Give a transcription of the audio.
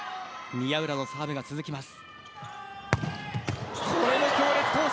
宮浦のサーブが続きます。